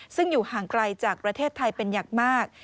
ซึ่งอยู่ห่างไกลจากประเทศไทยเป็นอย่างมาก